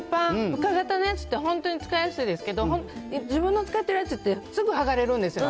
深型のやつって、本当に使いやすいですけど、自分の使ってるやつって、すぐ剥がれるんですよ。